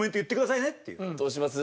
どうします？